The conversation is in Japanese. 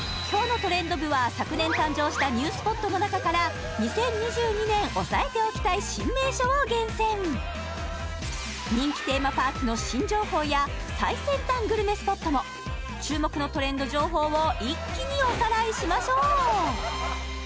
今日のトレンド部は昨年誕生したニュースポットの中から２０２２年押さえておきたい新名所を厳選人気テーマパークの新情報や最先端グルメスポットも注目のトレンド情報を一気におさらいしましょう！